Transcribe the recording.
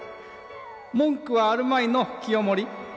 文句はあるまいの清盛。